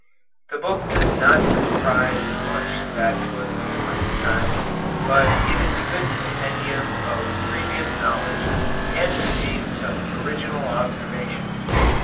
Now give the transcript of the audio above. The book does not comprise much that was new at that time, but it is a good compendium of previous knowledge, and contains some original observations.